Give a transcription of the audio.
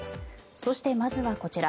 そして、まずはこちら。